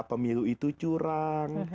pemilu itu curang